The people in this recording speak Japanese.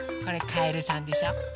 これカエルさんでしょ。